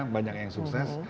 banyak yang sukses